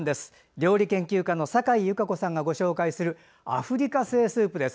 料理研究家のサカイ優佳子さんがご紹介するアフリカ風スープです。